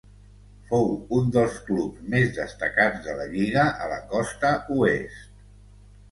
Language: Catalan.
Fou un dels clubs més destacats de la lliga a la costa oest.